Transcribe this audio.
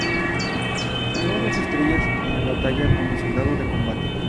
Ganó dos Estrellas de Batalla como Soldado de Combate.